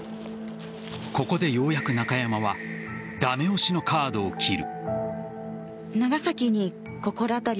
ここで、ようやく中山は駄目押しのカードを切る。